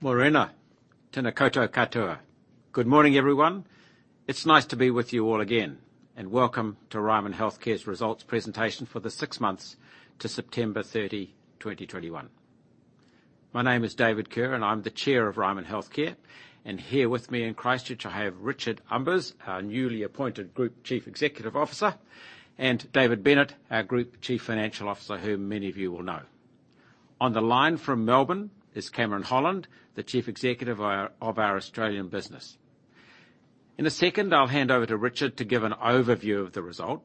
Morena. Tena koutou katoa. Good morning, everyone. It's nice to be with you all again. Welcome to Ryman Healthcare's results presentation for the six months to September 30, 2021. My name is David Kerr, and I'm the Chair of Ryman Healthcare. Here with me in Christchurch, I have Richard Umbers, our newly appointed Group Chief Executive Officer; and David Bennett, our Group Chief Financial Officer, who many of you will know. On the line from Melbourne is Cameron Holland, the Chief Executive of our Australian business. In a second, I'll hand over to Richard to give an overview of the result,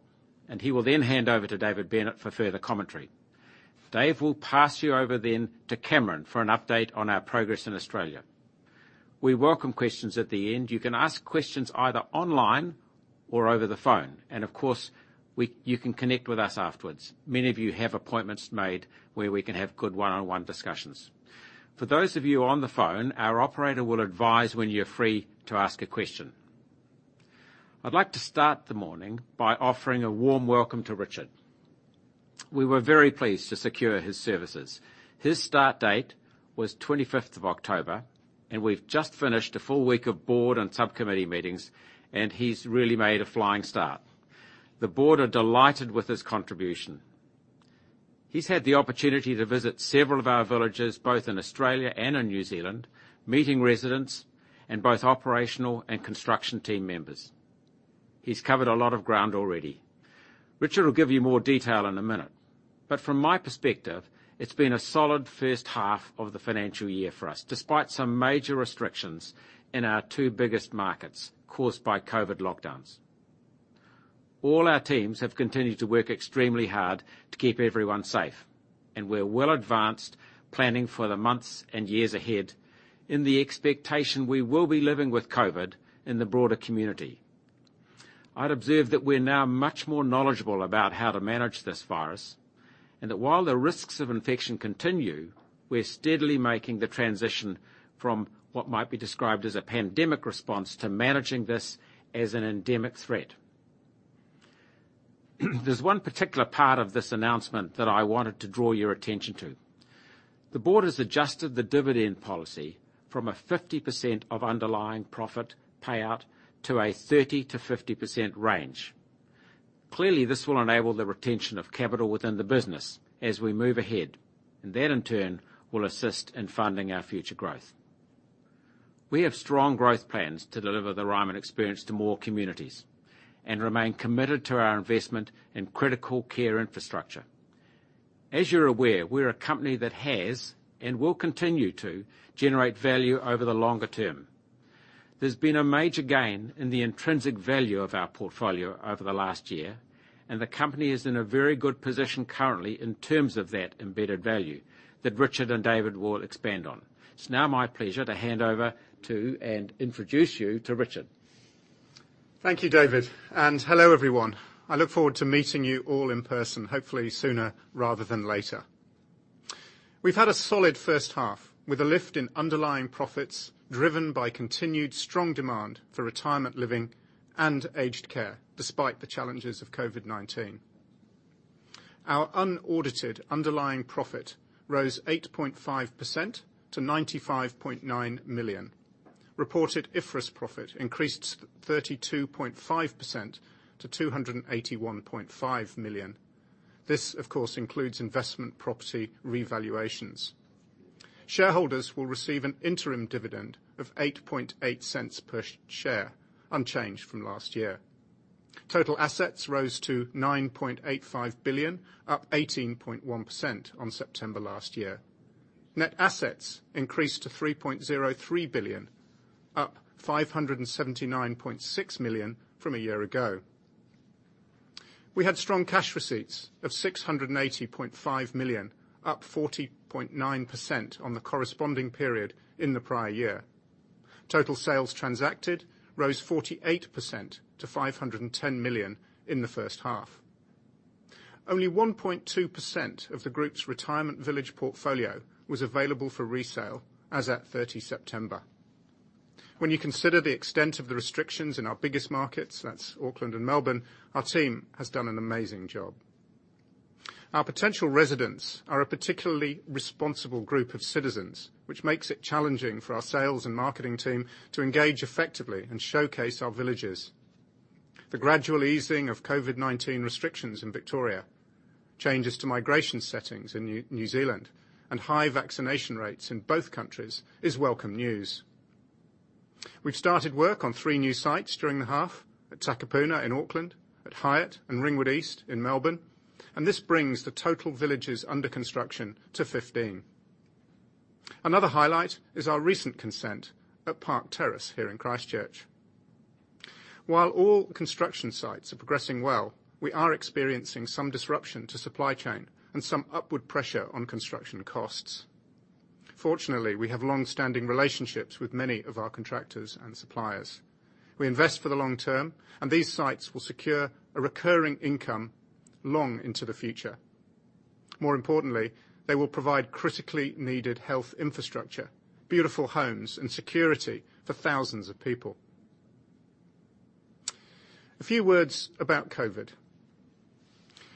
and he will then hand over to David Bennett for further commentary. Dave will pass you over then to Cameron for an update on our progress in Australia. We welcome questions at the end. You can ask questions either online or over the phone. Of course, you can connect with us afterwards. Many of you have appointments made where we can have good one-on-one discussions. For those of you on the phone, our operator will advise when you're free to ask a question. I'd like to start the morning by offering a warm welcome to Richard. We were very pleased to secure his services. His start date was 25th of October, and we've just finished a full week of board and subcommittee meetings, and he's really made a flying start. The board are delighted with his contribution. He's had the opportunity to visit several of our villages, both in Australia and in New Zealand, meeting residents and both operational and construction team members. He's covered a lot of ground already. Richard will give you more detail in a minute. From my perspective, it's been a solid first half of the financial year for us, despite some major restrictions in our two biggest markets caused by COVID lockdowns. All our teams have continued to work extremely hard to keep everyone safe, and we're well advanced planning for the months and years ahead in the expectation we will be living with COVID in the broader community. I'd observe that we're now much more knowledgeable about how to manage this virus, and that while the risks of infection continue, we're steadily making the transition from what might be described as a pandemic response to managing this as an endemic threat. There's one particular part of this announcement that I wanted to draw your attention to. The board has adjusted the dividend policy from a 50% of underlying profit payout to a 30%-50% range. Clearly, this will enable the retention of capital within the business as we move ahead, and that, in turn, will assist in funding our future growth. We have strong growth plans to deliver the Ryman experience to more communities and remain committed to our investment in critical care infrastructure. As you're aware, we're a company that has and will continue to generate value over the longer term. There's been a major gain in the intrinsic value of our portfolio over the last year, and the company is in a very good position currently in terms of that embedded value that Richard and David will expand on. It's now my pleasure to hand over to and introduce you to Richard. Thank you, David. Hello, everyone. I look forward to meeting you all in person, hopefully sooner rather than later. We've had a solid first half with a lift in underlying profits driven by continued strong demand for retirement living and aged care despite the challenges of COVID-19. Our unaudited underlying profit rose 8.5% to NZD 95.9 million. Reported IFRS profit increased 32.5% to NZD 281.5 million. This, of course, includes investment property revaluations. Shareholders will receive an interim dividend of NZD 0.088 per share, unchanged from last year. Total assets rose to NZD 9.85 billion, up 18.1% on September last year. Net assets increased to 3.03 billion, up 579.6 million from a year ago. We had strong cash receipts of 680.5 million, up 40.9% on the corresponding period in the prior year. Total sales transacted rose 48% to 510 million in the first half. Only 1.2% of the group's retirement village portfolio was available for resale as at 30 September. When you consider the extent of the restrictions in our biggest markets, that's Auckland and Melbourne, our team has done an amazing job. Our potential residents are a particularly responsible group of citizens, which makes it challenging for our sales and marketing team to engage effectively and showcase our villages. The gradual easing of COVID-19 restrictions in Victoria, changes to migration settings in New Zealand, and high vaccination rates in both countries is welcome news. We've started work on three new sites during the half, at Takapuna in Auckland, at Highton and Ringwood East in Melbourne, and this brings the total villages under construction to 15. Another highlight is our recent consent at Park Terrace here in Christchurch. While all construction sites are progressing well, we are experiencing some disruption to supply chain and some upward pressure on construction costs. Fortunately, we have long-standing relationships with many of our contractors and suppliers. We invest for the long term, and these sites will secure a recurring income long into the future. More importantly, they will provide critically needed health infrastructure, beautiful homes, and security for thousands of people. A few words about COVID.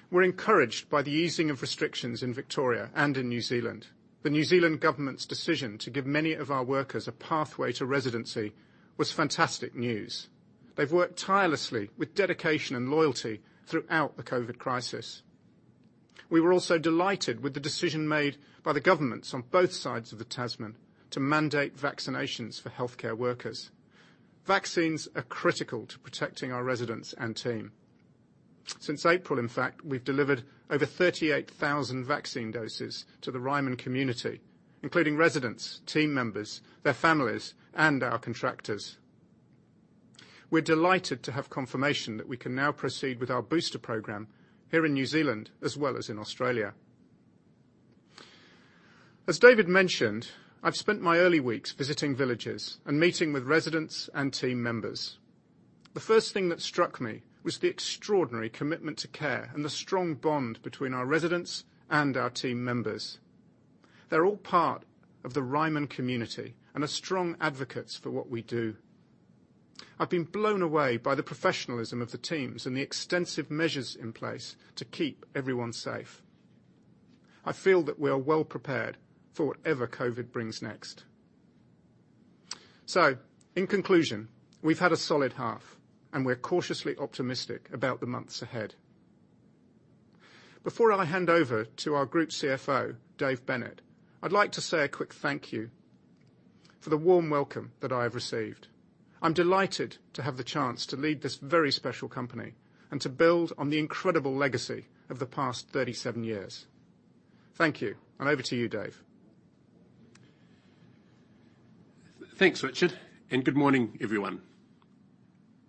We're encouraged by the easing of restrictions in Victoria and in New Zealand. The New Zealand government's decision to give many of our workers a pathway to residency was fantastic news. They've worked tirelessly with dedication and loyalty throughout the COVID crisis. We were also delighted with the decision made by the governments on both sides of the Tasman to mandate vaccinations for healthcare workers. Vaccines are critical to protecting our residents and team. Since April, in fact, we've delivered over 38,000 vaccine doses to the Ryman community, including residents, team members, their families, and our contractors. We're delighted to have confirmation that we can now proceed with our booster program here in New Zealand, as well as in Australia. As David mentioned, I've spent my early weeks visiting villages and meeting with residents and team members. The first thing that struck me was the extraordinary commitment to care and the strong bond between our residents and our team members. They're all part of the Ryman community, and are strong advocates for what we do. I've been blown away by the professionalism of the teams and the extensive measures in place to keep everyone safe. I feel that we are well prepared for whatever COVID brings next. In conclusion, we've had a solid half, and we're cautiously optimistic about the months ahead. Before I hand over to our Group CFO, Dave Bennett, I'd like to say a quick thank you for the warm welcome that I have received. I'm delighted to have the chance to lead this very special company and to build on the incredible legacy of the past 37 years. Thank you, and over to you, Dave. Thanks, Richard, and good morning, everyone.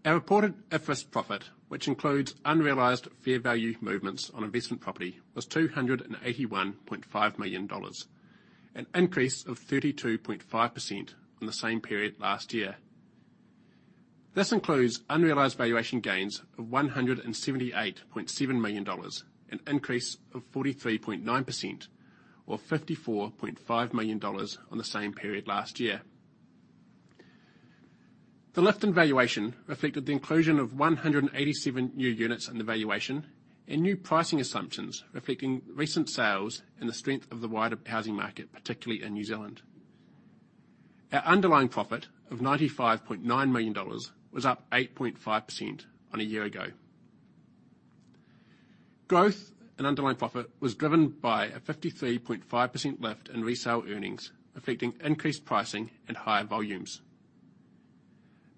Our reported IFRS profit, which includes unrealized fair value movements on investment property, was NZD 281.5 million, an increase of 32.5% on the same period last year. This includes unrealized valuation gains of 178.7 million dollars, an increase of 43.9% or 54.5 million dollars on the same period last year. The lift in valuation reflected the inclusion of 187 new units in the valuation and new pricing assumptions, reflecting recent sales and the strength of the wider housing market, particularly in New Zealand. Our underlying profit of NZD 95.9 million was up 8.5% on a year ago. Growth and underlying profit was driven by a 53.5% lift in resale earnings, reflecting increased pricing and higher volumes.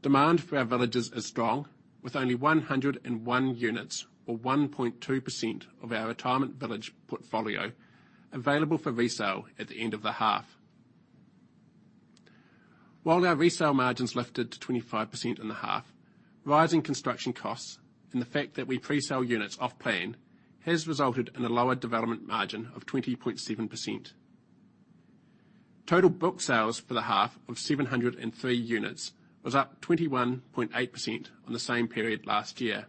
Demand for our villages is strong, with only 101 units or 1.2% of our retirement village portfolio available for resale at the end of the half. While our resale margins lifted to 25% in the half, rising construction costs and the fact that we pre-sell units off plan has resulted in a lower development margin of 20.7%. Total book sales for the half of 703 units was up 21.8% on the same period last year.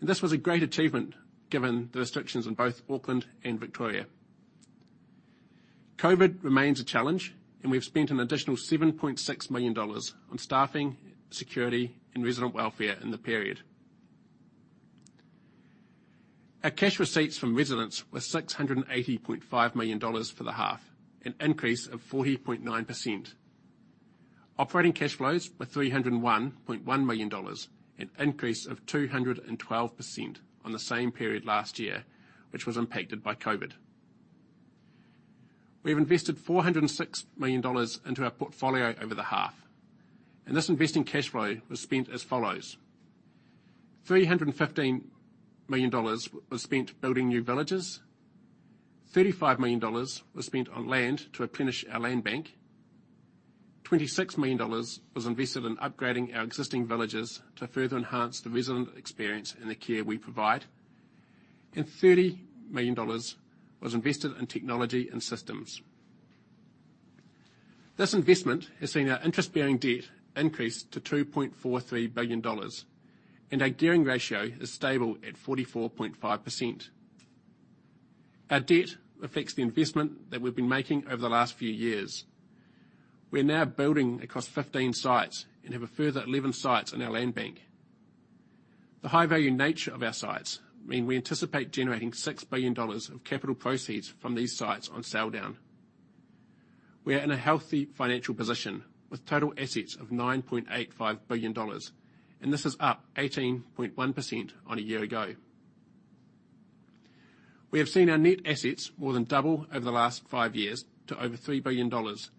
This was a great achievement given the restrictions in both Auckland and Victoria. COVID remains a challenge, and we've spent an additional 7.6 million dollars on staffing, security, and resident welfare in the period. Our cash receipts from residents were 680.5 million dollars for the half, an increase of 40.9%. Operating cash flows were NZD 301.1 million, an increase of 212% on the same period last year, which was impacted by COVID. We've invested 406 million dollars into our portfolio over the half, and this investing cash flow was spent as follows. 315 million dollars was spent building new villages. 35 million dollars was spent on land to replenish our land bank. 26 million dollars was invested in upgrading our existing villages to further enhance the resident experience and the care we provide. 30 million dollars was invested in technology and systems. This investment has seen our interest-bearing debt increase to 2.43 billion dollars, and our gearing ratio is stable at 44.5%. Our debt affects the investment that we've been making over the last few years. We're now building across 15 sites and have a further 11 sites in our land bank. The high-value nature of our sites mean we anticipate generating 6 billion dollars of capital proceeds from these sites on sell down. We are in a healthy financial position with total assets of 9.85 billion dollars, and this is up 18.1% on a year ago. We have seen our net assets more than double over the last five years to over 3 billion dollars,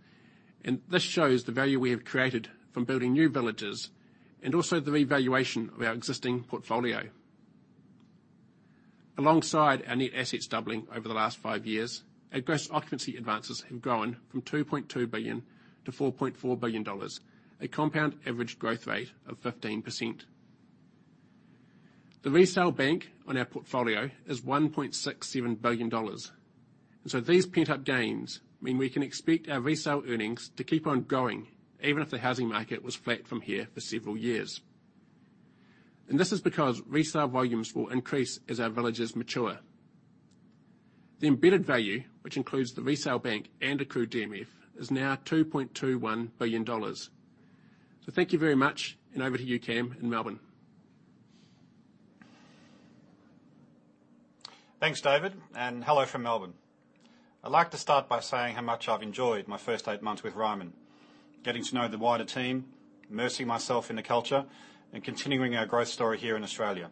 and this shows the value we have created from building new villages and also the revaluation of our existing portfolio. Alongside our net assets doubling over the last five years, our gross occupancy advances have grown from 2.2 billion to 4.4 billion dollars, a compound average growth rate of 15%. The resale bank on our portfolio is 1.67 billion dollars. These pent-up gains mean we can expect our resale earnings to keep on growing even if the housing market was flat from here for several years. This is because resale volumes will increase as our villages mature. The embedded value, which includes the resale bank and accrued DMF, is now 2.21 billion dollars. Thank you very much and over to you, Cam, in Melbourne. Thanks, David, and hello from Melbourne. I'd like to start by saying how much I've enjoyed my first eight months with Ryman, getting to know the wider team, immersing myself in the culture, and continuing our growth story here in Australia.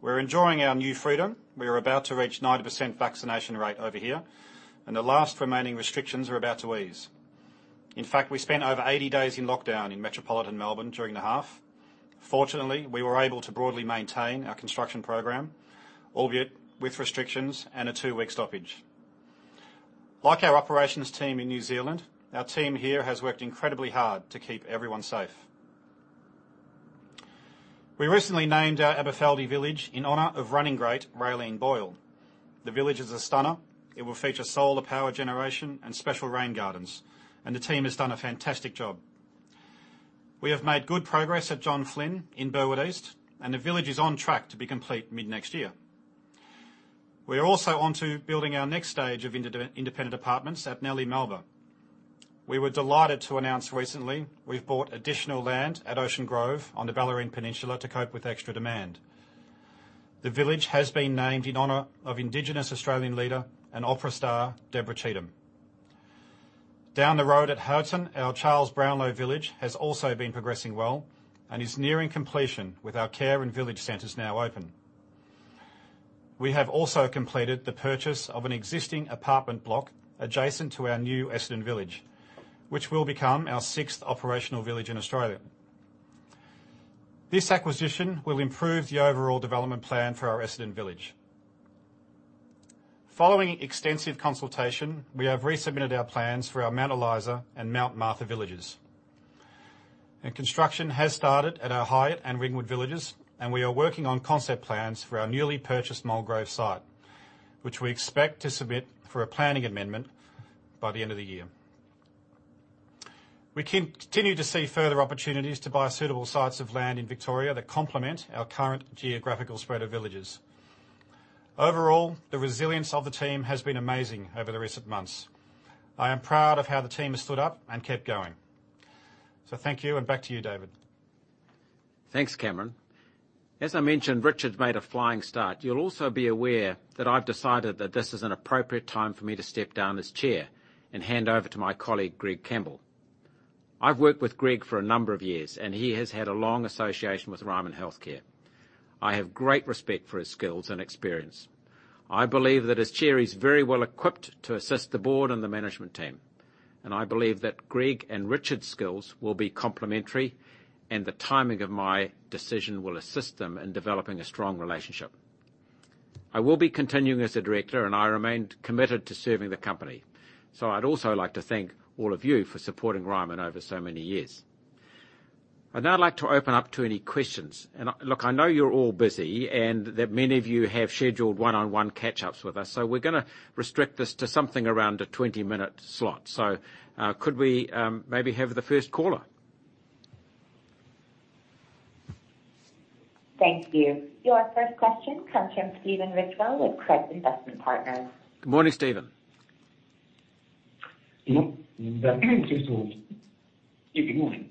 We're enjoying our new freedom. We are about to reach 90% vaccination rate over here, and the last remaining restrictions are about to ease. In fact, we spent over 80 days in lockdown in metropolitan Melbourne during the half. Fortunately, we were able to broadly maintain our construction program, albeit with restrictions and a two-week stoppage. Like our operations team in New Zealand, our team here has worked incredibly hard to keep everyone safe. We recently named our Aberfeldy village in honor of running great, Raelene Boyle. The village is a stunner. It will feature solar power generation and special rain gardens, and the team has done a fantastic job. We have made good progress at John Flynn in Burwood East, and the village is on track to be complete mid-next year. We are also onto building our next stage of independent apartments at Nellie Melba. We were delighted to announce recently we've bought additional land at Ocean Grove on the Bellarine Peninsula to cope with extra demand. The village has been named in honor of Indigenous Australian leader and opera star, Deborah Cheetham. Down the road at Highton, our Charles Brownlow village has also been progressing well and is nearing completion with our care and village centers now open. We have also completed the purchase of an existing apartment block adjacent to our new Essendon village, which will become our sixth operational village in Australia. This acquisition will improve the overall development plan for our Essendon village. Following extensive consultation, we have resubmitted our plans for our Mount Eliza and Mount Martha villages. Construction has started at our Highett and Ringwood villages, and we are working on concept plans for our newly purchased Mulgrave site, which we expect to submit for a planning amendment by the end of the year. We continue to see further opportunities to buy suitable sites of land in Victoria that complement our current geographical spread of villages. Overall, the resilience of the team has been amazing over the recent months. I am proud of how the team has stood up and kept going. Thank you, and back to you, David. Thanks, Cameron. As I mentioned, Richard's made a flying start. You'll also be aware that I've decided that this is an appropriate time for me to step down as chair and hand over to my colleague, Greg Campbell. I've worked with Greg for a number of years, and he has had a long association with Ryman Healthcare. I have great respect for his skills and experience. I believe that as chair, he's very well equipped to assist the board and the management team, and I believe that Greg and Richard's skills will be complementary, and the timing of my decision will assist them in developing a strong relationship. I will be continuing as a director, and I remain committed to serving the company. I'd also like to thank all of you for supporting Ryman over so many years. I'd now like to open up to any questions. Look, I know you're all busy, and that many of you have scheduled one-on-one catch-ups with us, so we're gonna restrict this to something around a 20-minute slot. Could we maybe have the first caller? Thank you. Your first question comes from Stephen Ridgewell with Craigs Investment Partners. Good morning, Stephen. Yeah, good morning.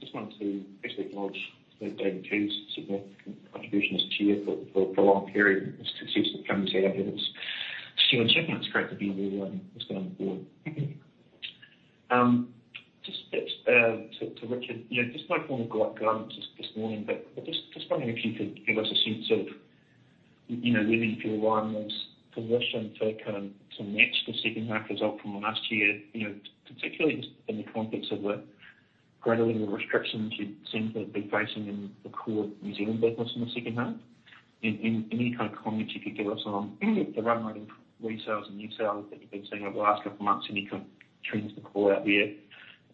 Just wanted to first acknowledge David Kerr's significant contribution as chair for a long period. The success that comes out of it. Stephen Cheetham, it's great to be with you and the board. Just a bit to Richard, you know, just no formal guidance this morning, but just wondering if you could give us a sense of, you know, really Ryman's position to match the second half result from last year, you know, particularly just in the context of the greater legal restrictions you seem to have been facing in the core New Zealand business in the second half. Any kind of comments you could give us on the run rate of resales and new sales that you've been seeing over the last couple of months, any kind of trends to call out there,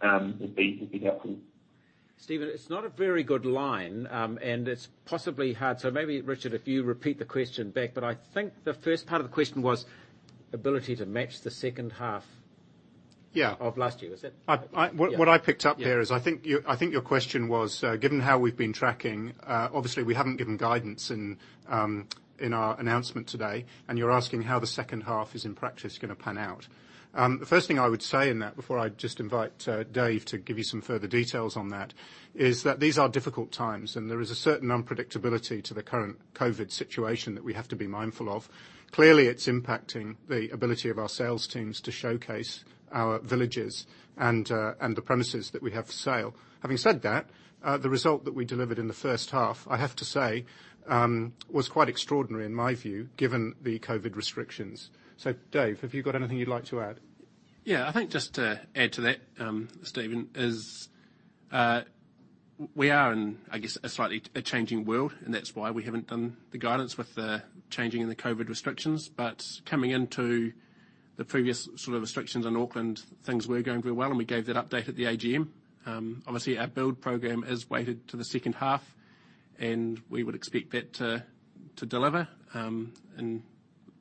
would be helpful. Stephen, it's not a very good line, and it's possibly hard. Maybe, Richard, if you repeat the question back, but I think the first part of the question was ability to match the second half of last year. Was that? Yeah. What I picked up here is I think your question was, given how we've been tracking, obviously we haven't given guidance in our announcement today, and you're asking how the second half is, in practice, gonna pan out. The first thing I would say in that, before I just invite Dave to give you some further details on that, is that these are difficult times, and there is a certain unpredictability to the current COVID situation that we have to be mindful of. Clearly, it's impacting the ability of our sales teams to showcase our villages and the premises that we have for sale. Having said that, the result that we delivered in the first half, I have to say, was quite extraordinary in my view, given the COVID restrictions. Dave, have you got anything you'd like to add? Yeah. I think just to add to that, Stephen, we are in, I guess, a slightly changing world, and that's why we haven't done the guidance with the changes in the COVID restrictions. Coming into the previous sort of restrictions in Auckland, things were going very well, and we gave that update at the AGM. Obviously, our build program is weighted to the second half, and we would expect that to deliver in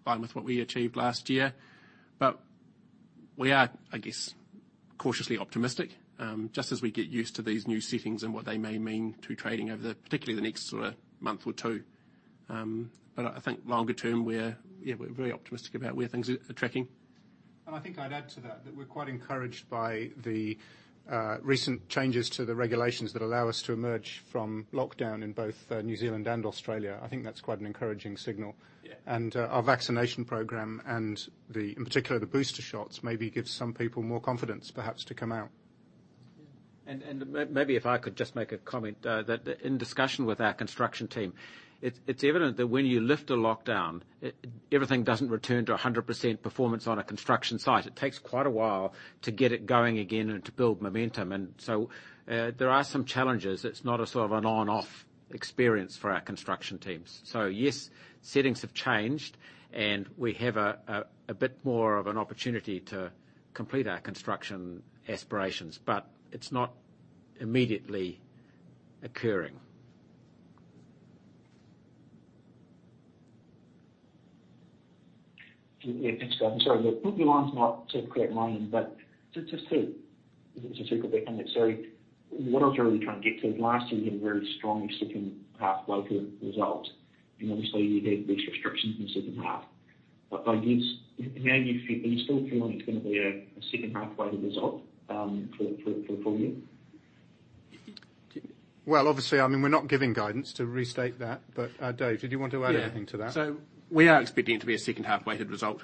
line with what we achieved last year. We are, I guess, cautiously optimistic just as we get used to these new settings and what they may mean to trading over, particularly, the next sort of month or two. I think longer term we're very optimistic about where things are tracking. I think I'd add to that we're quite encouraged by the recent changes to the regulations that allow us to emerge from lockdown in both New Zealand and Australia. I think that's quite an encouraging signal. Yeah. Our vaccination program and, in particular, the booster shots maybe gives some people more confidence perhaps to come out. Maybe if I could just make a comment, that in discussion with our construction team, it's evident that when you lift a lockdown, everything doesn't return to 100% performance on a construction site. It takes quite a while to get it going again and to build momentum. There are some challenges. It's not a sort of an on/off experience for our construction teams. Yes, settings have changed, and we have a bit more of an opportunity to complete our construction aspirations, but it's not immediately occurring. Yeah, thanks, David. I'm sorry. Look, the line's not to create line, but to see if it's a typical statement. Sorry. What I was really trying to get to is last year you had a very strong second half weighted result, and obviously you had these restrictions in the second half. Now, are you still feeling it's gonna be a second half weighted result for full year? Well, obviously, I mean, we're not giving guidance to restate that. Dave, did you want to add anything to that? We are expecting it to be a second half weighted result,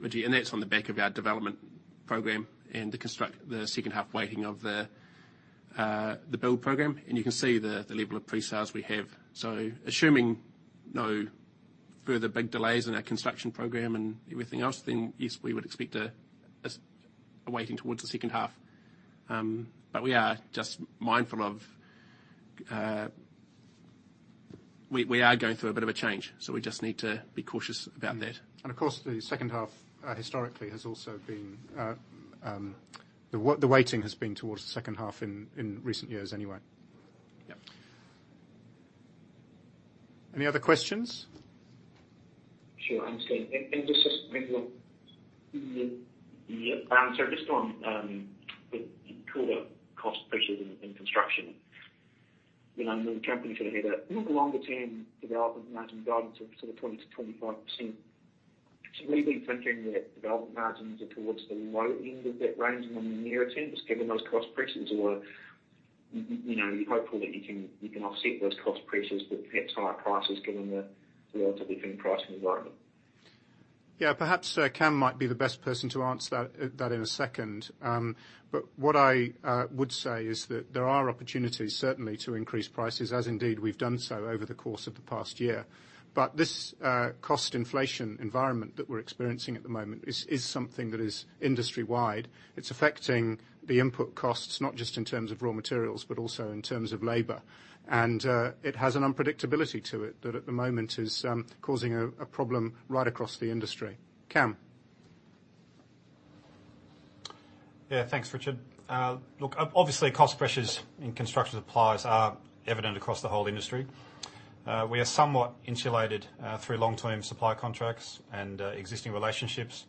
Stephen, and that's on the back of our development program and the second half weighting of the build program. You can see the level of pre-sales we have. Assuming no further big delays in our construction program and everything else, then yes, we would expect a weighting towards the second half. We are just mindful of going through a bit of a change, so we just need to be cautious about that. Of course, the second half historically has also been the weighting has been towards the second half in recent years anyway. Yep. Any other questions? Sure. I understand. Just on the core cost pressures in construction. You know, the company sort of had a longer term development margin guidance of sort of 20%-25%. Have you been thinking that development margins are towards the low end of that range on the nearer term, just given those cost pressures? Or you know, are you hopeful that you can offset those cost pressures with perhaps higher prices given the relatively firm pricing environment? Yeah, perhaps Cam might be the best person to answer that in a second. What I would say is that there are opportunities certainly to increase prices as indeed we've done so over the course of the past year. This cost inflation environment that we're experiencing at the moment is something that is industry-wide. It's affecting the input costs, not just in terms of raw materials, but also in terms of labor. It has an unpredictability to it that at the moment is causing a problem right across the industry. Cam? Yeah. Thanks, Richard. Look, obviously, cost pressures in construction suppliers are evident across the whole industry. We are somewhat insulated through long-term supply contracts and existing relationships.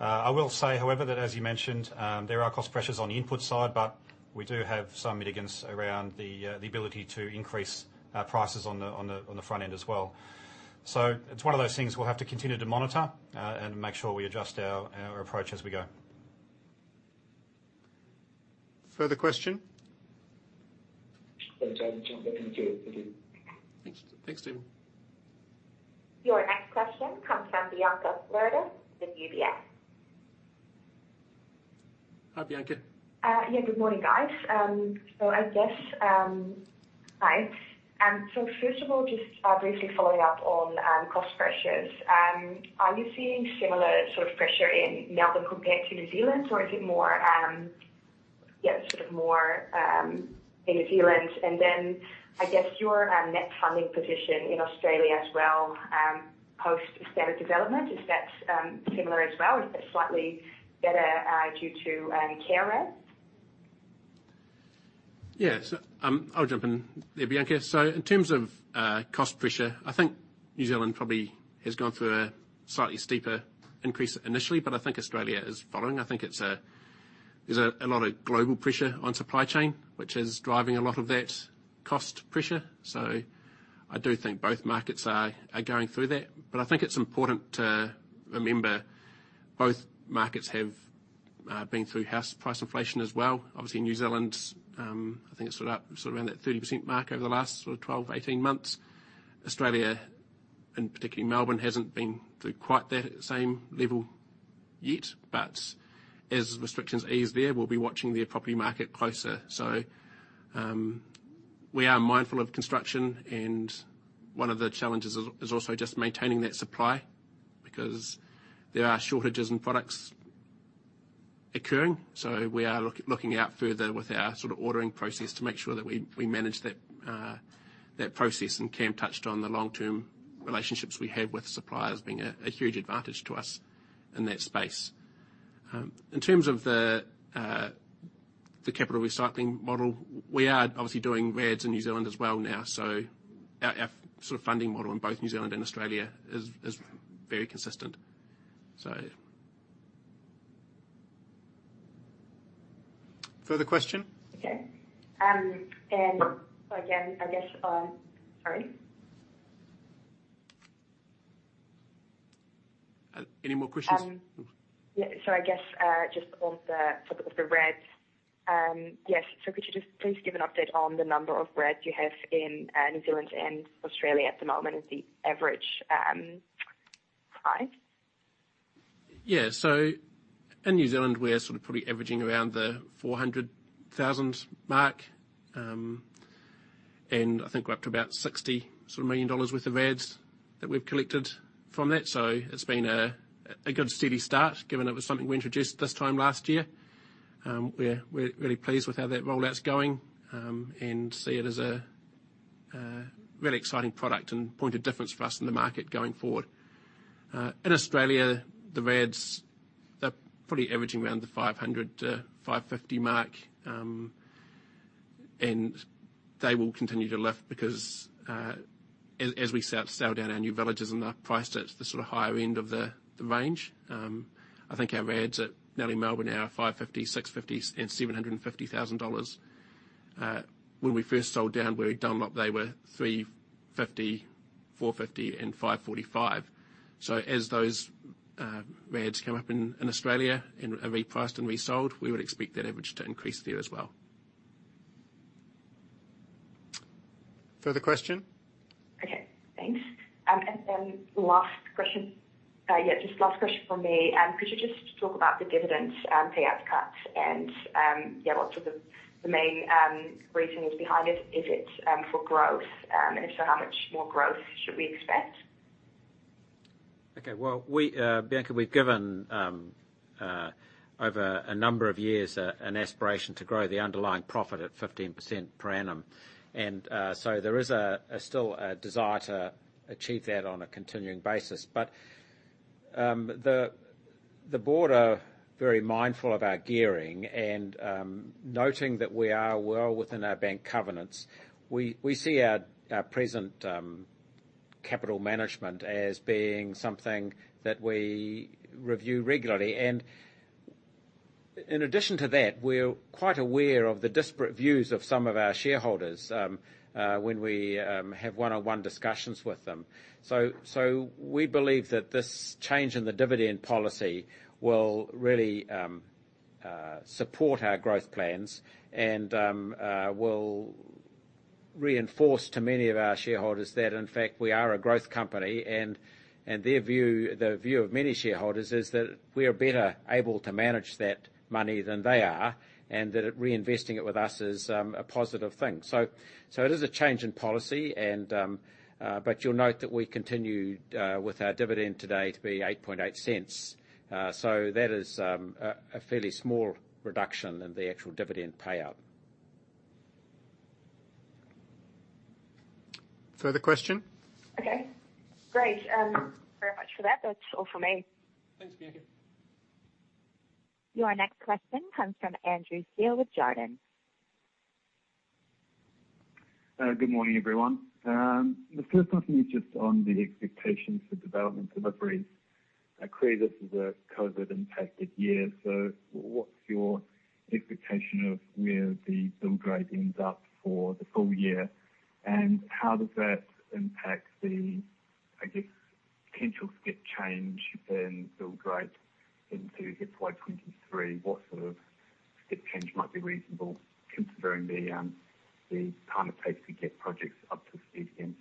I will say, however, that as you mentioned, there are cost pressures on the input side, but we do have some mitigants around the ability to increase our prices on the front end as well. It's one of those things we'll have to continue to monitor and make sure we adjust our approach as we go. Further question? No, thanks. I just wanted to thank you. Thank you. Thanks. Thanks, Stephen. Your next question comes from Bianca Fledderus with UBS. Hi, Bianca. Yeah, good morning, guys. I guess. Hi. First of all, just briefly following up on cost pressures. Are you seeing similar sort of pressure in Melbourne compared to New Zealand, or is it more, yeah, sort of more in New Zealand? Then I guess your net funding position in Australia as well, post Estate Development, is that similar as well? Is that slightly better due to care rates? Yeah. I'll jump in there, Bianca. In terms of cost pressure, I think New Zealand probably has gone through a slightly steeper increase initially, but I think Australia is following. I think there's a lot of global pressure on supply chain, which is driving a lot of that cost pressure. I do think both markets are going through that. But I think it's important to remember both markets have been through house price inflation as well. Obviously, New Zealand's I think it's sort of up, sort of around that 30% mark over the last sort of 12, 18 months. Australia, and particularly Melbourne, hasn't been through quite that same level yet. But as restrictions ease there, we'll be watching their property market closer. We are mindful of construction, and one of the challenges is also just maintaining that supply because there are shortages in products occurring. We are looking out further with our sort of ordering process to make sure that we manage that process. Cam touched on the long-term relationships we have with suppliers being a huge advantage to us in that space. In terms of the capital recycling model, we are obviously doing VAD in New Zealand as well now, so our funding model in both New Zealand and Australia is very consistent. Further question? Okay. Again, I guess. Sorry. Any more questions? Yeah, I guess just on the topic of the VAD, yes. Could you just please give an update on the number of ORAs you have in New Zealand and Australia at the moment, and the average price? Yeah. In New Zealand, we're sort of probably averaging around the 400,000 mark. I think we're up to about 60 sort of million dollars worth of ORAs that we've collected from that. It's been a good steady start, given it was something we introduced this time last year. We're really pleased with how that rollout's going, and see it as a really exciting product and point of difference for us in the market going forward. In Australia, the ORAs, they're probably averaging around the 500,000-550,000 mark. They will continue to lift because we sell down our new villages and they're priced at the sort of higher end of the range. I think our ORAs at Nellie Melba now are 550,000, 650,000, and 750,000 dollars. When we first sold down where we'd done them up, they were 350,000, 450,000, and 545,000. So as those ORAs come up in Australia and are repriced and resold, we would expect that average to increase there as well. Further question? Okay, thanks. Last question. Yeah, just last question from me. Could you just talk about the dividends and payout cuts and, yeah, what are the main reasons behind it? Is it for growth? If so, how much more growth should we expect? Okay. Well, we, Bianca, we've given over a number of years an aspiration to grow the underlying profit at 15% per annum. There is still a desire to achieve that on a continuing basis. The board are very mindful of our gearing and noting that we are well within our bank covenants. We see our present capital management as being something that we review regularly. In addition to that, we're quite aware of the disparate views of some of our shareholders when we have one-on-one discussions with them. We believe that this change in the dividend policy will really support our growth plans and will reinforce to many of our shareholders that, in fact, we are a growth company, and their view, the view of many shareholders is that we are better able to manage that money than they are and that re-investing it with us is a positive thing. It is a change in policy and but you'll note that we continued with our dividend today to be 0.088. That is a fairly small reduction in the actual dividend payout. Further question? Okay, great. Thank you very much for that. That's all for me. Thanks, Bianca. Your next question comes from Andrew Steele with Jarden. Good morning, everyone. The first one is just on the expectations for development deliveries. I agree this is a COVID-impacted year, so what's your expectation of where the build rate ends up for the full year? How does that impact the, I guess, potential step change in build rate into FY 2023? What sort of step change might be reasonable considering the time it takes to get projects up to speed again?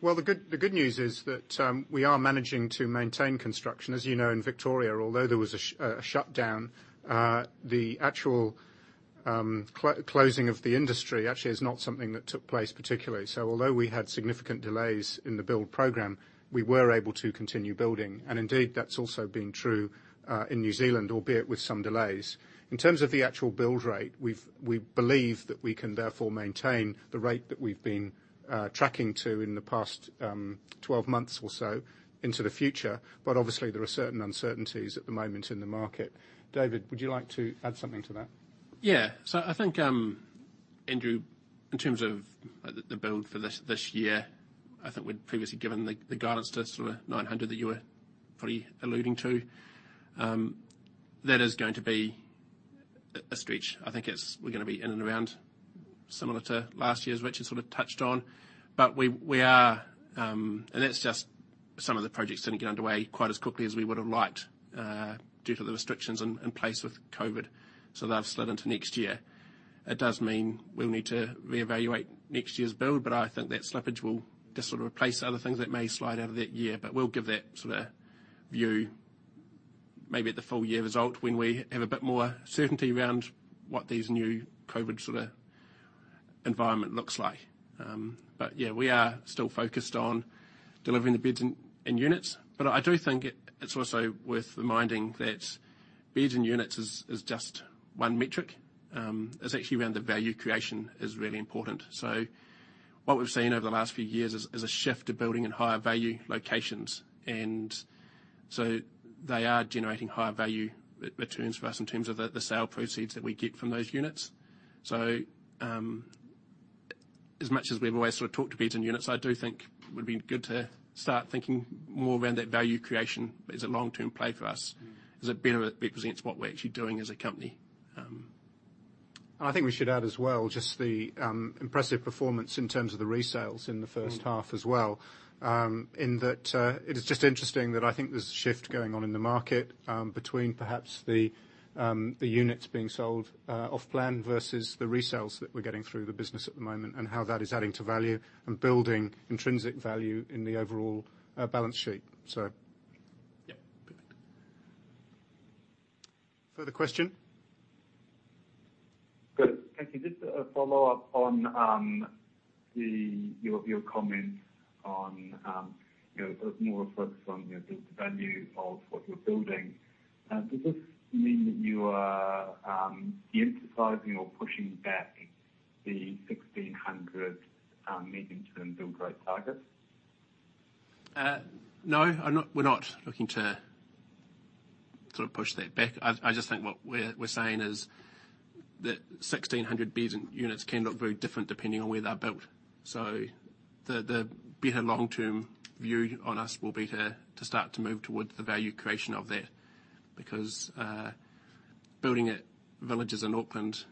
Well, the good news is that we are managing to maintain construction. As you know, in Victoria, although there was a shutdown, the actual closing of the industry actually is not something that took place particularly. Although we had significant delays in the build program, we were able to continue building. Indeed, that's also been true in New Zealand, albeit with some delays. In terms of the actual build rate, we believe that we can therefore maintain the rate that we've been tracking to in the past 12 months or so into the future. Obviously there are certain uncertainties at the moment in the market. David, would you like to add something to that? Yeah. I think, Andrew, in terms of the build for this year, I think we'd previously given the guidance to sort of 900 that you were probably alluding to. That is going to be a stretch. I think we're gonna be in and around similar to last year's, which is sort of touched on. We are, and that's just some of the projects didn't get underway quite as quickly as we would have liked, due to the restrictions in place with COVID. They've slid into next year. It does mean we'll need to reevaluate next year's build, but I think that slippage will just sort of replace other things that may slide out of that year. We'll give that sort of view maybe at the full year result when we have a bit more certainty around what these new COVID sort of environment looks like. Yeah, we are still focused on delivering the beds and units. I do think it's also worth reminding that beds and units is just one metric. It's actually around the value creation is really important. What we've seen over the last few years is a shift to building in higher value locations. They are generating higher value returns for us in terms of the sale proceeds that we get from those units. As much as we've always sort of talked beds and units, I do think it would be good to start thinking more around that value creation as a long-term play for us, as it better represents what we're actually doing as a company. I think we should add as well, just the impressive performance in terms of the resales in the first half as well. In that, it is just interesting that I think there's a shift going on in the market, between perhaps the units being sold off-plan versus the resales that we're getting through the business at the moment, and how that is adding to value and building intrinsic value in the overall balance sheet. Yeah. Perfect. Further question. Good. Thank you. Just a follow-up on your comment on, you know, more focus on the value of what you're building. Does this mean that you are de-emphasizing or pushing back the 1600 medium-term build growth targets? No, we're not looking to sort of push that back. I just think what we're saying is that 1,600 beds and units can look very different depending on where they're built. The better long-term view on us will be to start to move towards the value creation of that. Because building villages in Auckland,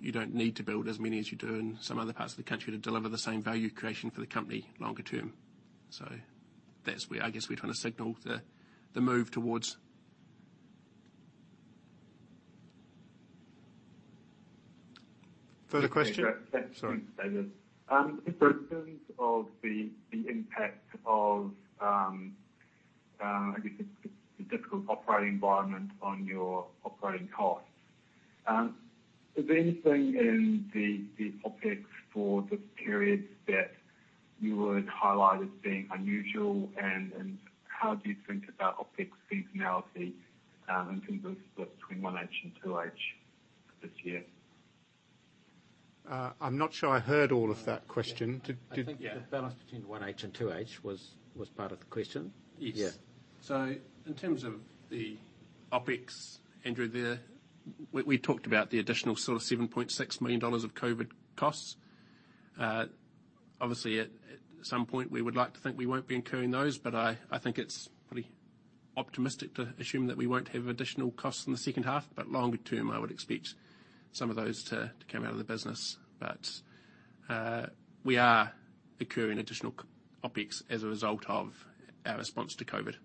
you don't need to build as many as you do in some other parts of the country to deliver the same value creation for the company longer term. That's where I guess we're trying to signal the move towards. Further question. Sorry. In terms of the impact of, I guess it's the difficult operating environment on your operating costs. Is there anything in the OpEx for the period that you would highlight as being unusual, and how do you think about OpEx seasonality in terms of the split between H1 and H2 this year? I'm not sure I heard all of that question. Did- I think the balance between H1 and H2 was part of the question. Yes. Yeah. In terms of the OpEx, Andrew, we talked about the additional sort of 7.6 million dollars of COVID costs. Obviously at some point we would like to think we won't be incurring those, but I think it's pretty optimistic to assume that we won't have additional costs in the second half. Longer term, I would expect some of those to come out of the business. We are incurring additional OpEx as a result of our response to COVID.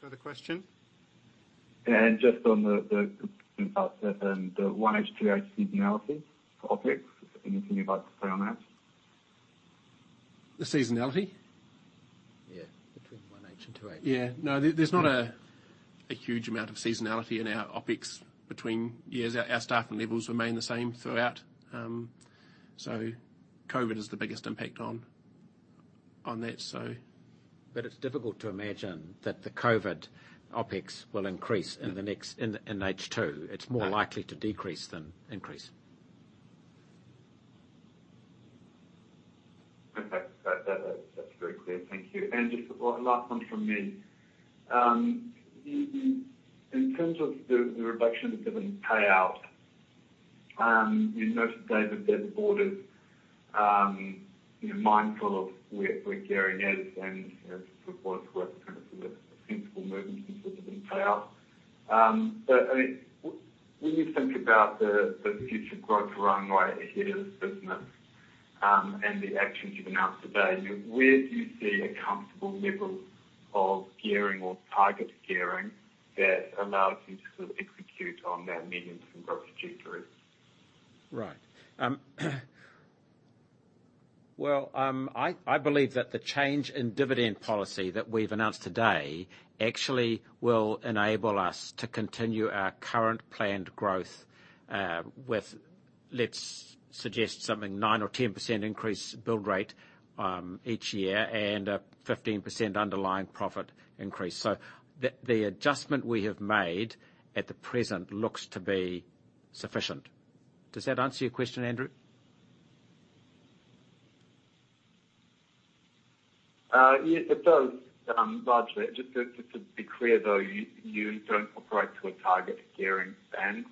Further question. Just on the H1, H2 seasonality of OpEx. Anything you'd like to say on that? The seasonality? Yeah. Between 1H and 2H. Yeah. No, there's not a huge amount of seasonality in our OpEx between years. Our staffing levels remain the same throughout. COVID is the biggest impact on that. It's difficult to imagine that the COVID OpEx will increase in the next H2. It's more likely to decrease than increase. Okay. That's very clear. Thank you. Just last one from me. In terms of the reduction in dividend payout, you noted, David, that the board is, you know, mindful of where gearing is and, you know, supports a kind of sensible movement in terms of dividend payout. I mean, when you think about the future growth runway ahead of the business and the actions you've announced today, where do you see a comfortable level of gearing or target gearing that allows you to sort of execute on that medium-term growth trajectory? Right. Well, I believe that the change in dividend policy that we've announced today actually will enable us to continue our current planned growth, with, let's suggest something, 9%-10% increase build rate, each year and a 15% underlying profit increase. The adjustment we have made at the present looks to be sufficient. Does that answer your question, Andrew? Yeah, it does, largely. Just to be clear, though, you don't operate to a target gearing band,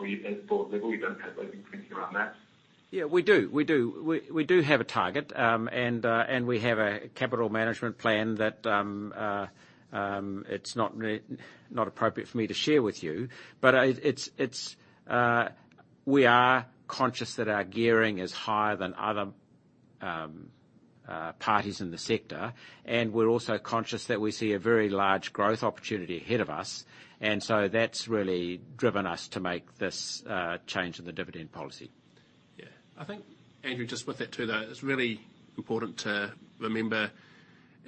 or at board level, you don't have anything around that? Yeah, we do. We do have a target, and we have a capital management plan. It's not appropriate for me to share with you. But we are conscious that our gearing is higher than other parties in the sector, and we're also conscious that we see a very large growth opportunity ahead of us. That's really driven us to make this change in the dividend policy. Yeah. I think, Andrew, just with that too, though, it's really important to remember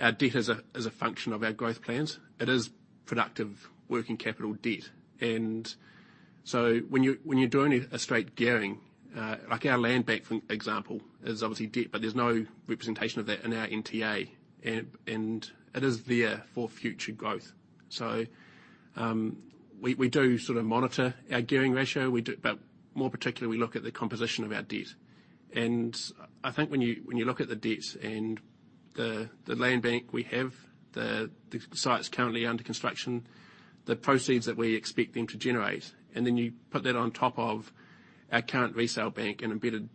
our debt is a function of our growth plans. It is productive working capital debt. When you're doing a straight gearing, like our land bank example is obviously debt, but there's no representation of that in our NTA. It is there for future growth. We do sort of monitor our gearing ratio. But more particularly, we look at the composition of our debt. I think when you look at the debts and the land bank we have, the sites currently under construction, the proceeds that we expect them to generate, and then you put that on top of our current resale bank and embedded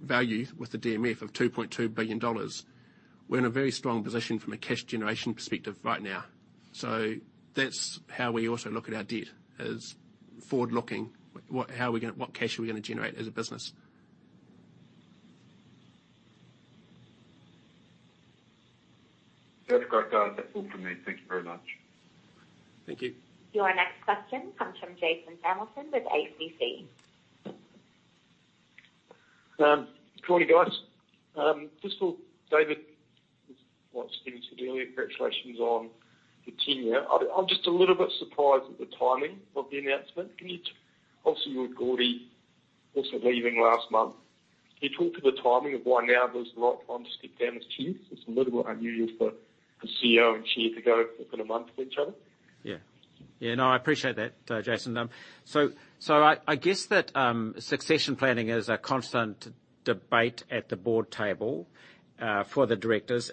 value with the DMF of 2.2 billion dollars, we're in a very strong position from a cash generation perspective right now. That's how we also look at our debt as forward-looking. What cash are we gonna generate as a business? That's great, guys. That's all from me. Thank you very much. Thank you. Your next question comes from Jason Hamilton with ACC. Good morning, guys. Just for David, just what Steve said earlier, congratulations on continuing. I'm just a little bit surprised at the timing of the announcement, obviously, with Gordie also leaving last month. Can you talk to the timing of why now is the right time to step down as chair? It's a little unusual for a CEO and chair to go within a month of each other. Yeah. Yeah, no, I appreciate that, Jason. I guess that succession planning is a constant debate at the board table for the directors.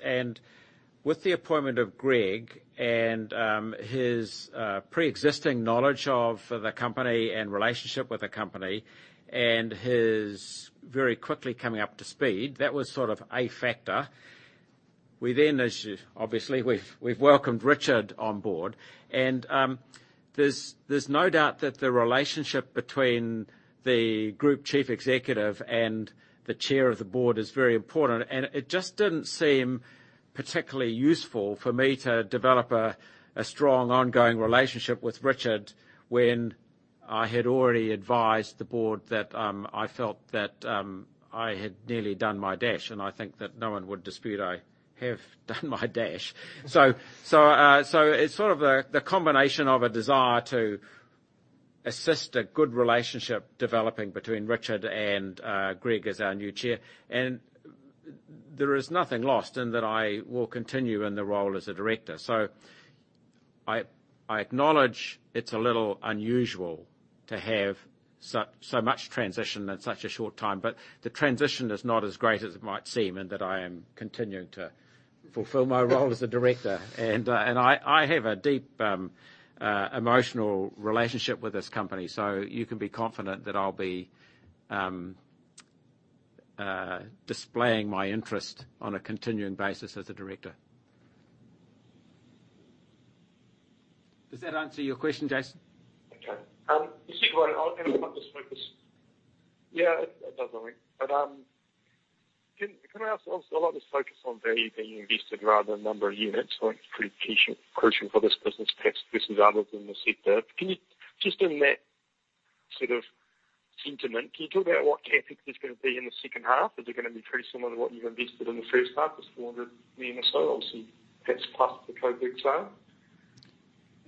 With the appointment of Greg and his pre-existing knowledge of the company and relationship with the company and his very quickly coming up to speed, that was sort of a factor. We then, as obviously, we've welcomed Richard on board, and there's no doubt that the relationship between the Group Chief Executive and the Chair of the Board is very important. It just didn't seem particularly useful for me to develop a strong ongoing relationship with Richard when I had already advised the board that I felt that I had nearly done my dash, and I think that no one would dispute I have done my dash. It's sort of the combination of a desire to assist a good relationship developing between Richard and Greg as our new Chair. There is nothing lost in that I will continue in the role as a director. I acknowledge it's a little unusual to have so much transition in such a short time, but the transition is not as great as it might seem, and that I am continuing to fulfill my role as a director. I have a deep emotional relationship with this company, so you can be confident that I'll be displaying my interest on a continuing basis as a director. Does that answer your question, Jason? Okay. I'll end on this focus. Yeah, it does worry me. Can I ask also, I'd like to focus on value being invested rather than number of units. It's pretty crucial for this business case versus others in the sector. Can you, just in that sort of sentiment, can you talk about what capital is gonna be in the second half? Is it gonna be pretty similar to what you've invested in the first half, the 400 million or so, obviously, that's past the COVID sale?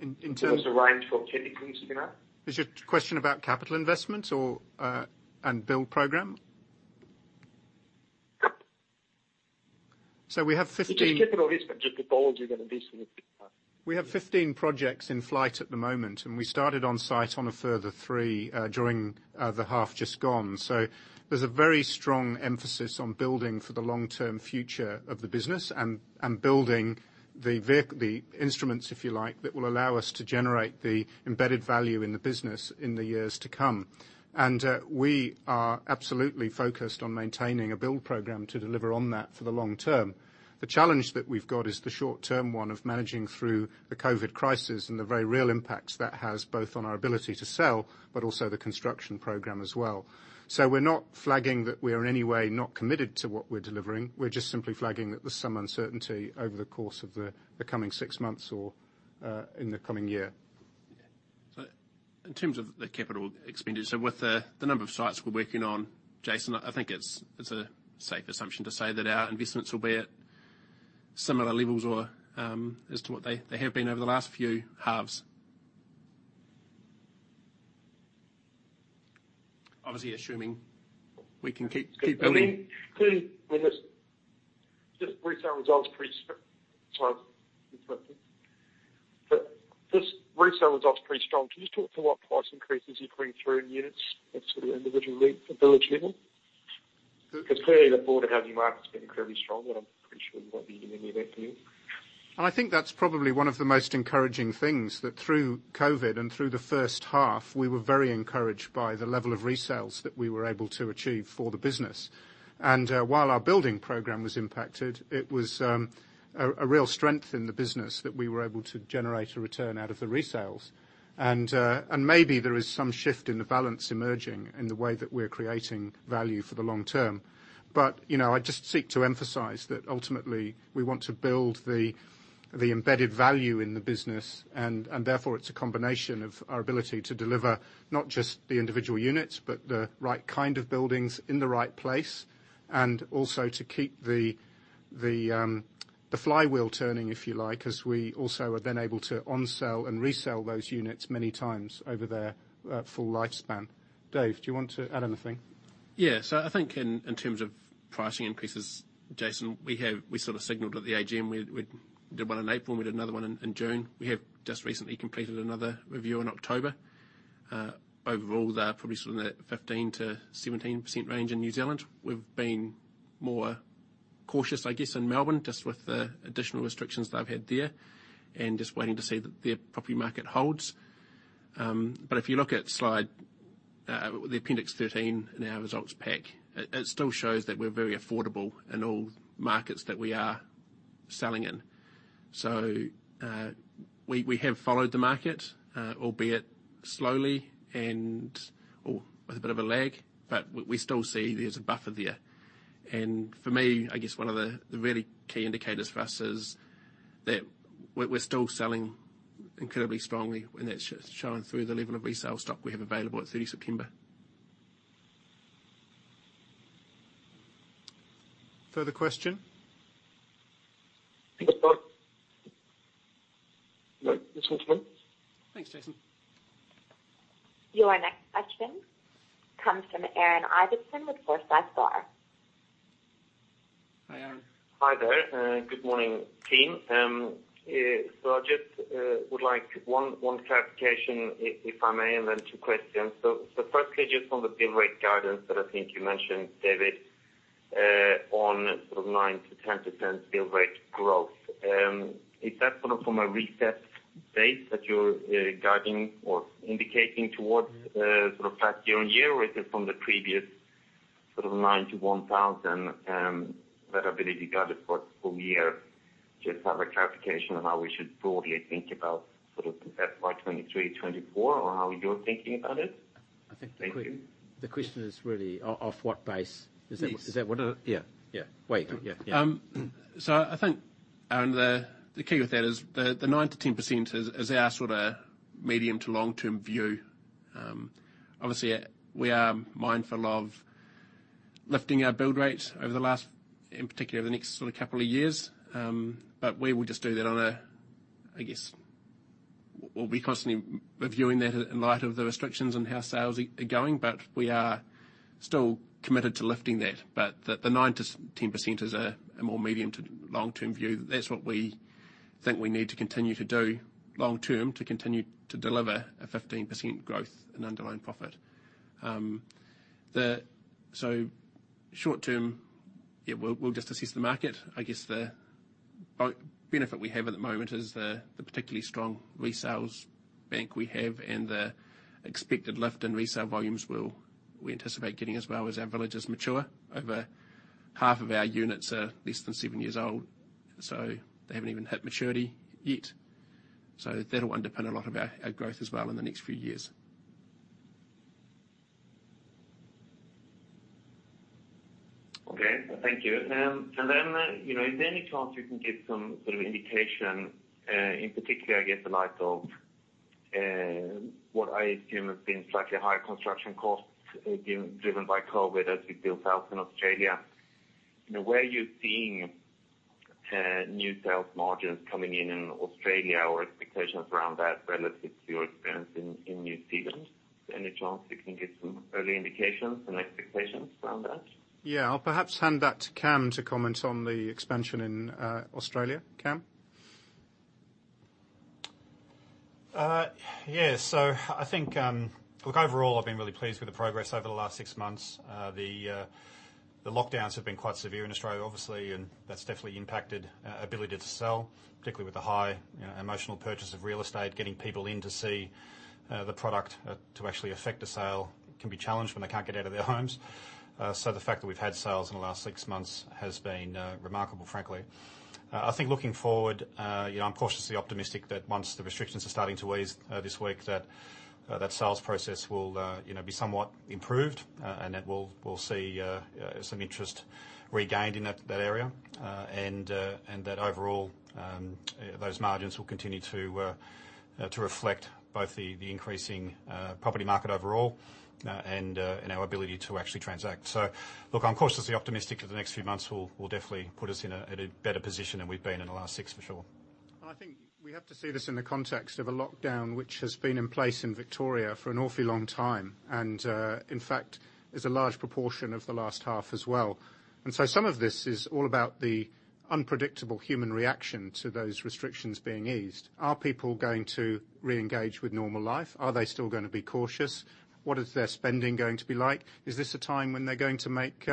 In, in terms- What is the range for capital investing in that? Is your question about capital investments or our build program? We have 15- Just capital investment. Just what all you're gonna invest in it. We have 15 projects in flight at the moment, and we started on site on a further three during the half just gone. There's a very strong emphasis on building for the long-term future of the business and building the instruments, if you like, that will allow us to generate the embedded value in the business in the years to come. We are absolutely focused on maintaining a build program to deliver on that for the long term. The challenge that we've got is the short-term one of managing through the COVID crisis and the very real impacts that has both on our ability to sell, but also the construction program as well. We're not flagging that we are in any way not committed to what we're delivering. We're just simply flagging that there's some uncertainty over the course of the coming six months or in the coming year. Yeah. In terms of the capital expenditure, with the number of sites we're working on, Jason, I think it's a safe assumption to say that our investments will be at similar levels or as to what they have been over the last few halves. Obviously, assuming we can keep building. Clearly, with this, just resale results pretty strong. This resale result's pretty strong. Can you just talk to what price increases you're putting through in units at sort of individual rate, a build level? 'Cause clearly, the broader housing market's been incredibly strong, and I'm pretty sure you won't be doing any of that for you. I think that's probably one of the most encouraging things, that through COVID and through the first half, we were very encouraged by the level of resales that we were able to achieve for the business. While our building program was impacted, it was a real strength in the business that we were able to generate a return out of the resales. Maybe there is some shift in the balance emerging in the way that we're creating value for the long term. You know, I just seek to emphasize that ultimately we want to build the embedded value in the business and therefore it's a combination of our ability to deliver not just the individual units, but the right kind of buildings in the right place, and also to keep the flywheel turning, if you like, as we also have been able to onsell and resell those units many times over their full lifespan. Dave, do you want to add anything? Yes. I think in terms of pricing increases, Jason, we have sort of signaled at the AGM. We did one in April and we did another one in June. We have just recently completed another review in October. Overall they're probably sort of in that 15%-17% range in New Zealand. We've been more cautious, I guess, in Melbourne, just with the additional restrictions they've had there, and just waiting to see that their property market holds. But if you look at appendix 13 in our results pack, it still shows that we're very affordable in all markets that we are selling in. We have followed the market, albeit slowly and/or with a bit of a lag, but we still see there's a buffer there. For me, I guess one of the really key indicators for us is that we're still selling incredibly strongly, and that's shown through the level of resale stock we have available at 3 September. Further question? Thanks, Richard. No, that's all fine. Thanks, Jason. Your next question comes from Aaron Ibbotson with Forsyth Barr. Hi, Aaron. Hi there. Good morning team. I just would like one clarification if I may, and then two questions. Firstly, just on the build rate guidance that I think you mentioned, David, on sort of 9%-10% build rate growth. Is that sort of from a reset base that you're guiding or indicating towards, sort of past year-on-year, or is it from the previous sort of 9%-10%, that I believe you guided for full year? Just have a clarification on how we should broadly think about sort of FY 2023/2024, or how you're thinking about it. I think. Thank you. The question is really off what base? Yes. Is that what? Yeah. Wait. Yeah. Yeah. I think, Aaron, the key with that is the 9%-10% is our sort of medium- to long-term view. Obviously we are mindful of lifting our build rate over the last, in particular, the next sort of couple of years. We will just do that. I guess, we will be constantly reviewing that in light of the restrictions on how sales are going, but we are still committed to lifting that. The 9%-10% is a more medium- to long-term view. That's what we think we need to continue to do long term to continue to deliver a 15% growth in underlying profit. Short term, yeah, we will just assess the market. I guess the benefit we have at the moment is the particularly strong resales bank we have and the expected lift in resale volumes we anticipate getting as well as our villages mature. Over half of our units are less than seven years old, so they haven't even hit maturity yet. That'll underpin a lot of our growth as well in the next few years. Okay. Thank you. You know, is there any chance you can give some sort of indication, in particular, I guess in light of what I assume has been slightly higher construction costs, driven by COVID as you build sales in Australia. You know, where are you seeing new sales margins coming in in Australia or expectations around that relative to your experience in New Zealand? Any chance you can give some early indications and expectations around that? Yeah. I'll perhaps hand that to Cam to comment on the expansion in Australia. Cam? Yeah. I think, look, overall, I've been really pleased with the progress over the last six months. The lockdowns have been quite severe in Australia, obviously, and that's definitely impacted our ability to sell, particularly with the high, you know, emotional purchase of real estate. Getting people in to see the product to actually affect a sale can be challenged when they can't get out of their homes. The fact that we've had sales in the last six months has been remarkable, frankly. I think looking forward, you know, I'm cautiously optimistic that once the restrictions are starting to ease this week, that sales process will, you know, be somewhat improved, and that we'll see some interest regained in that area. That overall, those margins will continue to reflect both the increasing property market overall, and our ability to actually transact. Look, I'm cautiously optimistic that the next few months will definitely put us at a better position than we've been in the last six, for sure. I think we have to see this in the context of a lockdown, which has been in place in Victoria for an awfully long time, and, in fact, is a large proportion of the last half as well. Some of this is all about the unpredictable human reaction to those restrictions being eased. Are people going to reengage with normal life? Are they still gonna be cautious? What is their spending going to be like? Is this a time when they're going to make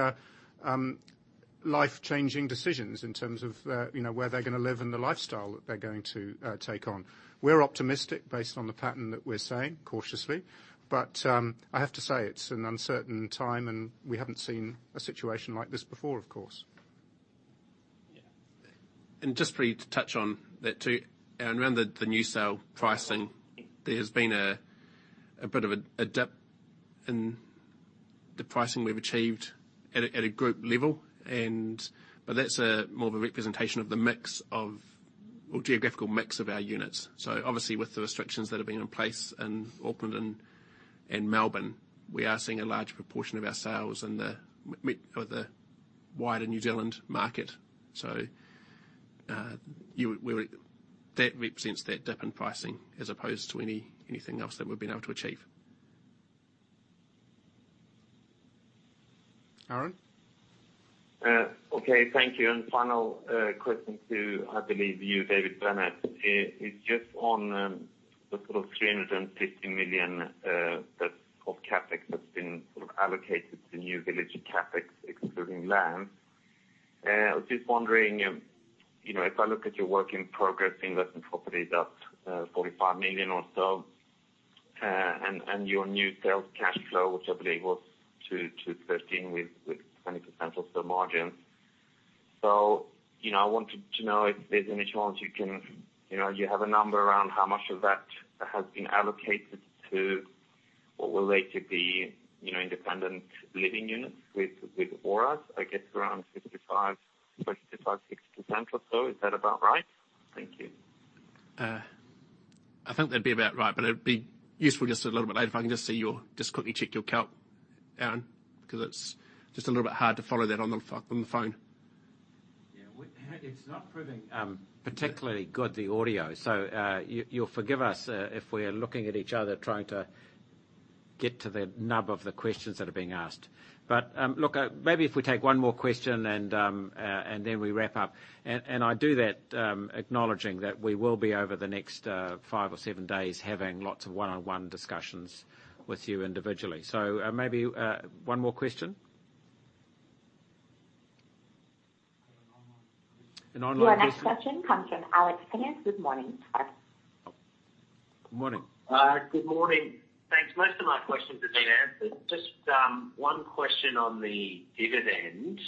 life-changing decisions in terms of, you know, where they're gonna live and the lifestyle that they're going to take on? We're optimistic based on the pattern that we're seeing, cautiously. I have to say it's an uncertain time, and we haven't seen a situation like this before, of course. Yeah. Just for you to touch on that, too, around the new sale pricing. There has been a bit of a dip in the pricing we've achieved at a group level, but that's more of a representation of the geographical mix of our units. Obviously with the restrictions that have been in place in Auckland and Melbourne, we are seeing a large proportion of our sales in the wider New Zealand market. That represents that dip in pricing as opposed to anything else that we've been able to achieve. Aaron? Okay. Thank you. Final question to, I believe you, David Bennett. It is just on the sort of 350 million that's of CapEx that's been sort of allocated to new village CapEx excluding land. I was just wondering, you know, if I look at your work in progress, investment property is up 45 million or so, and your new sales cash flow, which I believe was 213 with 20% of the margin. You know, I wanted to know if there's any chance you can. You know, you have a number around how much of that has been allocated to or related to the, you know, independent living units with ORAs, I guess around 55%, 35%, 60% or so. Is that about right? Thank you. I think that'd be about right, but it'd be useful just a little bit later if I can just quickly check your calc, Aaron, because it's just a little bit hard to follow that on the phone. Yeah. It's not proving particularly good, the audio. You'll forgive us if we are looking at each other, trying to get to the nub of the questions that are being asked. Look, maybe if we take one more question and then we wrap up. I do that acknowledging that we will be over the next five or seven days having lots of one-on-one discussions with you individually. Maybe one more question. An online question. Your next question comes from Alex Prineas with Morningstar. Good morning. Good morning. Thanks. Most of my questions have been answered. Just one question on the dividend.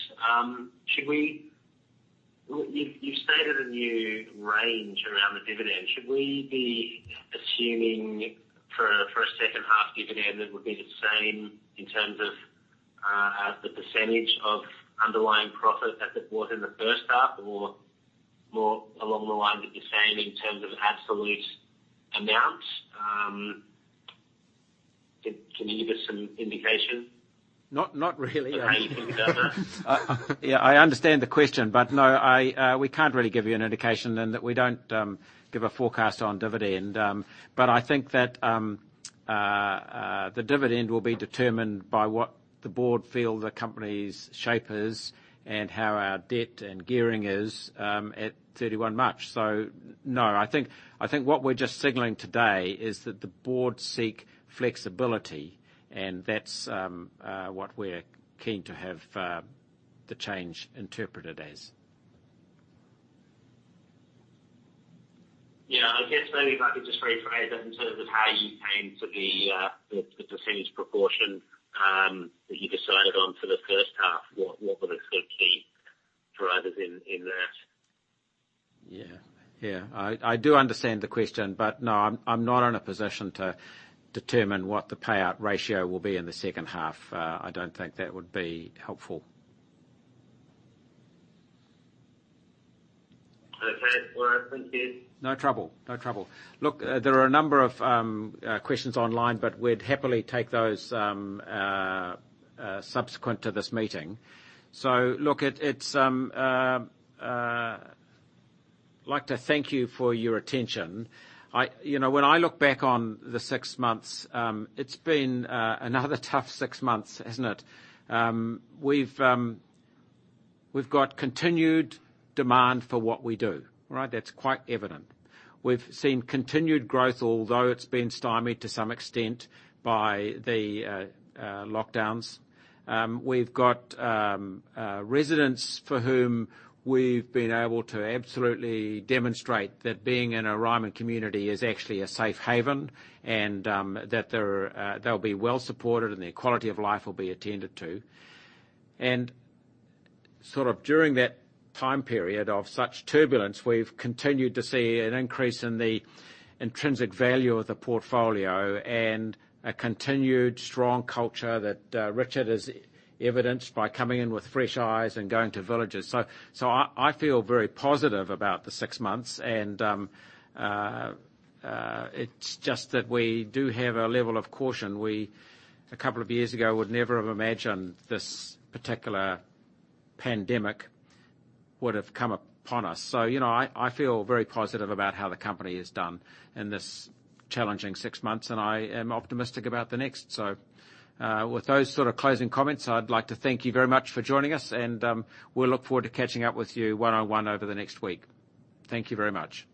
You've stated a new range around the dividend. Should we be assuming for a second half dividend, it would be the same in terms of the percentage of underlying profit as it was in the first half or more along the lines that you're saying in terms of absolute amount? Can you give us some indication? Not really. How do you think about that? Yeah, I understand the question, but no, we can't really give you an indication in that we don't give a forecast on dividend. But I think that the dividend will be determined by what the board feel the company's shape is and how our debt and gearing is at 31 March. No. I think what we're just signaling today is that the board seek flexibility, and that's what we're keen to have, the change interpreted as. Yeah. I guess maybe if I could just rephrase that in terms of how you came to the percentage proportion that you decided on for the first half, what were the sort of key drivers in that? Yeah. I do understand the question, but no, I'm not in a position to determine what the payout ratio will be in the second half. I don't think that would be helpful. Okay. Well, thank you. No trouble. Look, there are a number of questions online, but we'd happily take those subsequent to this meeting. Look, it's. I'd like to thank you for your attention. You know, when I look back on the six months, it's been another tough six months, hasn't it? We've got continued demand for what we do, right? That's quite evident. We've seen continued growth, although it's been stymied to some extent by the lockdowns. We've got residents for whom we've been able to absolutely demonstrate that being in a Ryman community is actually a safe haven, and that they'll be well supported and their quality of life will be attended to. During that time period of such turbulence, we've continued to see an increase in the intrinsic value of the portfolio and a continued strong culture that Richard has evidenced by coming in with fresh eyes and going to villages. I feel very positive about the six months and it's just that we do have a level of caution. A couple of years ago, we would never have imagined this particular pandemic would have come upon us. You know, I feel very positive about how the company has done in this challenging six months, and I am optimistic about the next. With those sort of closing comments, I'd like to thank you very much for joining us, and we'll look forward to catching up with you one-on-one over the next week. Thank you very much.